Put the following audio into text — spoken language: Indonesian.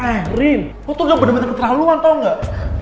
eh rin lo tuh udah bener bener ketahuan tau gak